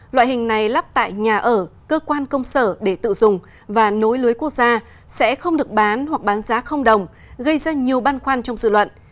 loại hình này lắp tại nhà ở cơ quan công sở để tự dùng và nối lưới quốc gia sẽ không được bán hoặc bán giá không đồng gây ra nhiều băn khoăn trong dự luận